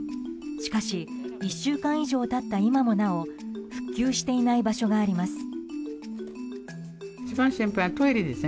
しかし１週間以上経った今もなお復旧していない場所があります。